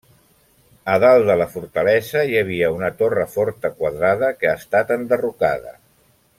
A dalt de la fortalesa hi havia una torre forta quadrada que ha estat enderrocada.